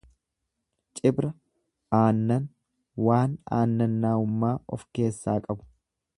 Cibra aannan waan aannanummaa of keessaa qabu.